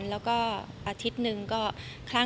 แล้วก็อาทิตย์นึงก็